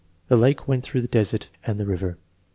"The lake went through the desert and the river."